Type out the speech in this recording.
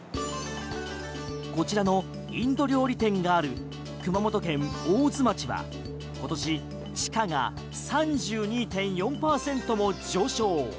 こちらのインド料理店がある熊本県大津町は今年地価が３２．４％も上昇。